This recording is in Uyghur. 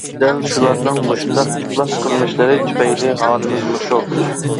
دەل شۇلارنىڭ مۇشۇنداق ئىپلاس قىلمىشلىرى تۈپەيلى ھالىمىز مۇشۇ.